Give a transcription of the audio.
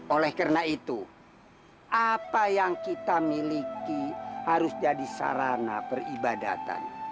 oleh karena itu apa yang kita miliki harus jadi sarana peribadatan